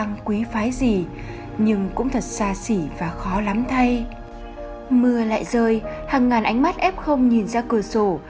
mưa lại rơi hằng ngàn ánh mắt ép không nhìn ra cửa sổ